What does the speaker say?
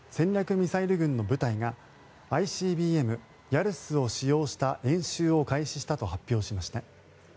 ミサイル軍の部隊がＩＣＢＭ、ヤルスを使用した演習を開始したと発表しました。